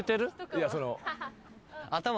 いやその。